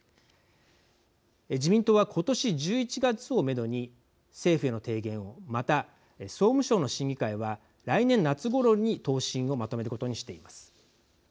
自民党は、今年１１月をめどに政府への提言をまた、総務省の審議会は来年夏ごろに答申をまとめることにしています。